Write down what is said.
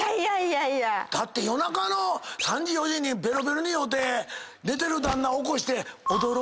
だって夜中の３時４時にベロベロに酔うて寝てる旦那起こして。